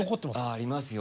ありますよ。